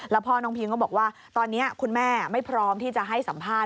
พ่อน้องพิงก็บอกว่าตอนนี้คุณแม่ไม่พร้อมที่จะให้สัมภาษณ